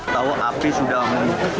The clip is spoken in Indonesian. atau api sudah